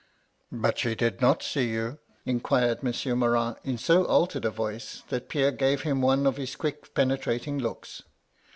"*But she did not see you?' inquired Monsieur Morin, in so altered a voice that Pierre gave him one of his quick penetrating looks.